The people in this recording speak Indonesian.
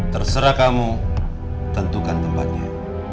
terserah kamu tentukan tempatnya